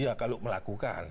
iya kalau melakukan